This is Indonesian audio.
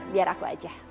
biar aku aja